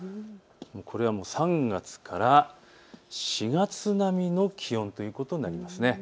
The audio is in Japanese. これは３月から４月並みの気温ということになりそうです。